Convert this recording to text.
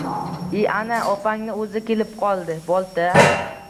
E, ana… opangni o‘zi kelib qoldi. Bolta…